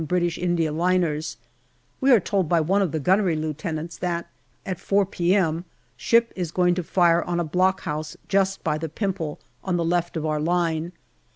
I. liners. We are told by one of the Gunnery Lieutenants that at 4 p.m. ship is going to fire on a blockhouse just by the Pimple, on the left of our line.